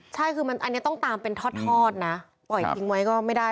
ใช่คือมันอันนี้ต้องตามเป็นทอดนะปล่อยทิ้งไว้ก็ไม่ได้